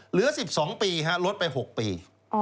เหลือ๑๒ปีลดไป๖ปี